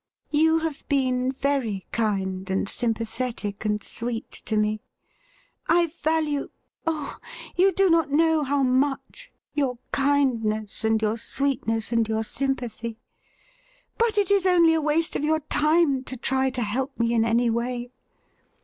You have been very kind, and sympathetic , and sweet to me. I value — oh, you do not know how much — ^your kindness and your sweetness and yom: sympathy ; but it is only a waste of your time to try to help me in any way.